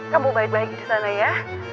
kamu baik baik disana ya